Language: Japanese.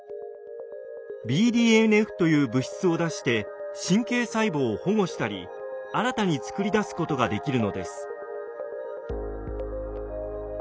ＢＤＮＦという物質を出して神経細胞を保護したり新たに作り出すことができるのです。